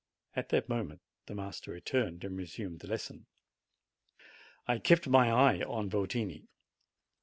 At that moment the master returned, and resumed the lesson. I kept my eye on Yotini.